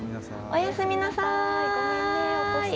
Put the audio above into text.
おやすみなさい。